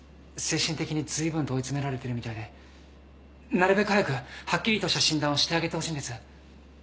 精神的にずいぶんと追い詰められてるみたいでなるべく早くはっきりとした診断をしてあげてほしいんです。